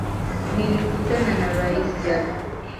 Nilikutana na rais jana